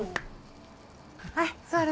はい座ろ。